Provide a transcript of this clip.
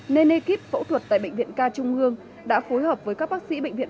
nên ekip phẫu thuật tại bệnh viện ca trung ương đã phối hợp với các bác sĩ bệnh viện